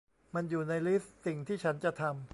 มันอยู่ในลิสต์สิ่งที่ฉันจะทำ